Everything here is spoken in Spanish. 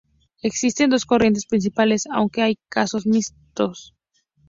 Existen dos corrientes principales, aunque hay casos mixtos.